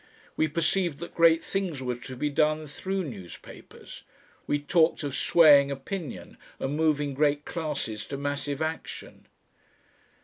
We perceived that great things were to be done through newspapers. We talked of swaying opinion and moving great classes to massive action.